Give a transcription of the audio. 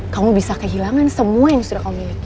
kamu bisa kehilangan semua yang sudah kamu miliki